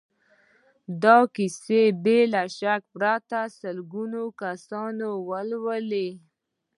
دا کيسې به له شک پرته سلګونه کسان ولولي.